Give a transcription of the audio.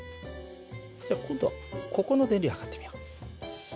じゃあ今度はここの電流を測ってみよう。